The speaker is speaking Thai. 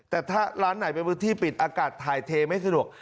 แต่ถ้าร้านไหนเป็นพื้นที่ปิดอากาศถ่ายเทไม่สะดวก